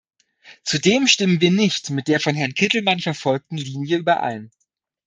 Zudem stimmen wir nicht mit der von Herrn Kittelmann verfolgten Linie überein.